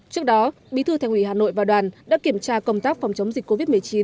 trước đó bí thư thành ủy hà nội và đoàn đã kiểm tra công tác phòng chống dịch covid một mươi chín